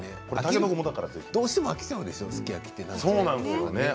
どうしても飽きてしまうでしょすき焼きってね。